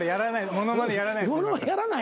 物まねやらない？